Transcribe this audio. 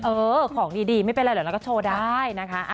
เออของดีไม่เป็นไรเหรอเราก็โชว์ได้นะคะ